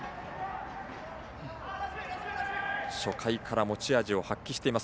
初回から持ち味を発揮しています。